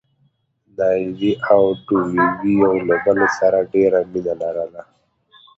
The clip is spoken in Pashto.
نايلې او ډوېوې يو له بل سره ډېره مينه لرله.